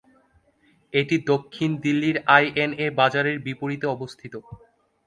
এটি দক্ষিণ দিল্লির আইএনএ বাজারের বিপরীতে অবস্থিত।